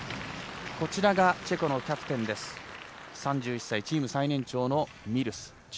チェコのキャプテンは３１歳、チーム最年長のミルス。